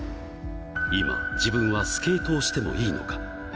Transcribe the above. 今、自分はスケートをしてもいいのか。